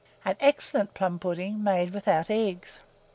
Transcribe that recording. AN EXCELLENT PLUM PUDDING, made without Eggs.